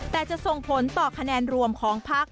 แต่จะส่งผลต่อคะแนนรวมของพัก